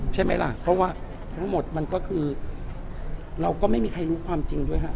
ใช่ไหมล่ะเพราะว่าทั้งหมดมันก็คือเราก็ไม่มีใครรู้ความจริงด้วยฮะ